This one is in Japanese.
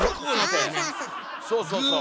そうそうそう！